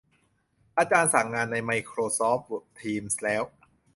อาจารย์สั่งงานในไมโครซอฟท์ ทีมส์ แล้ว